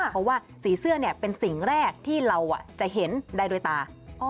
เพราะว่าสีเสื้อเป็นสิ่งแรกที่เราจะเห็นได้โดยตา